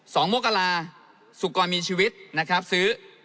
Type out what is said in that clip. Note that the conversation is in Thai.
มกราสุกรมีชีวิตนะครับซื้อ